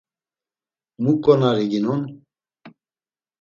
Mu ǩonari ginon?